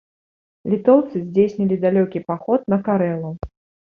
Літоўцы здзейснілі далёкі паход на карэлаў.